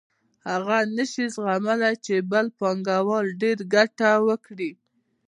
هغه نشي زغملای چې بل پانګوال ډېره ګټه وکړي